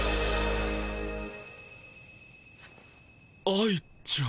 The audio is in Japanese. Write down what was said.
愛ちゃん？